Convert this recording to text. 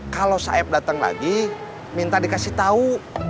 kalau saeb datang lagi minta dikasih tau